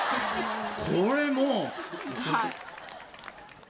これもう。